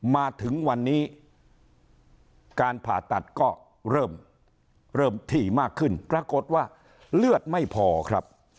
มาถึงวันนี้การผ่าตัดก็เริ่มเริ่มที่มากขึ้นปรากฏว่าเลือดไม่พอครับ